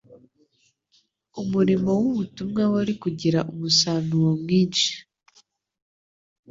umurimo w'ubutumwa wari kugira umusanuo mwinshi.